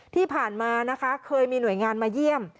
ที่ผ่านมานะคะเคยมีหน่วยงานมาเยี่ยม